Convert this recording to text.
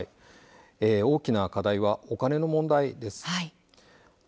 大きな課題はお金の問題です。